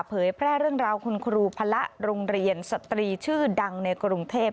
เผยแพร่เรื่องราวคุณครูพระโรงเรียนสตรีชื่อดังในกรุงเทพ